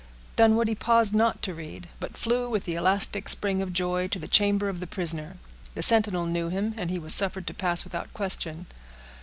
Dunwoodie paused not to read; but flew, with the elastic spring of joy, to the chamber of the prisoner. The sentinel knew him, and he was suffered to pass without question.